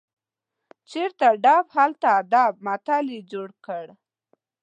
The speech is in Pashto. چیرته ډب، هلته ادب متل یې جوړ کړ.